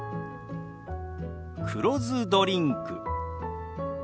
黒酢ドリンク。